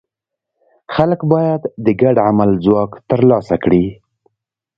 خلک باید د ګډ عمل ځواک ترلاسه کړي.